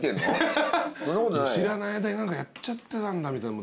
知らない間に何かやっちゃってたんだみたいな。